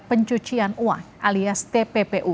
pencucian uang alias tppu